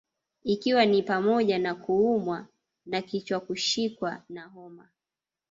Ikiwa ni pamoja na kuumwa na kichwakushikwa na homa